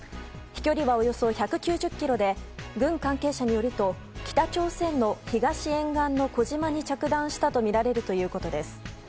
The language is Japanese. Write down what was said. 飛距離はおよそ１９０ｋｍで軍関係者によると北朝鮮の東沿岸の小島に着弾したとみられるということです。